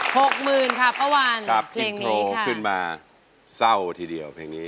หกหมื่นค่ะป้าวันครับเพลงนี้โทรขึ้นมาเศร้าทีเดียวเพลงนี้